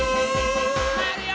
まわるよ！